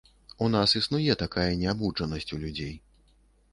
У нас існуе такая неабуджанасць у людзей.